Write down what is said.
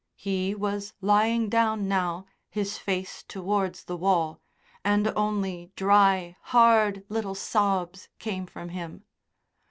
He was lying down now, his face towards the wall, and only dry, hard little sobs came from him.